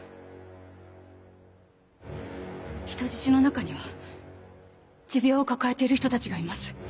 人質の中には持病を抱えている人たちがいます。